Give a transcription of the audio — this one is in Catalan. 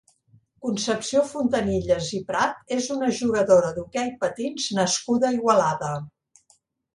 Concepció Fontanilles i Prat és una jugadora d'hoquei patins nascuda a Igualada.